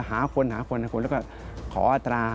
หาคนหาคนแล้วก็ขออัตรา